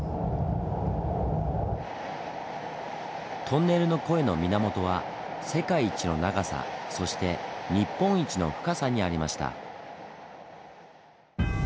トンネルの声の源は世界一の長さそして日本一の深さにありました。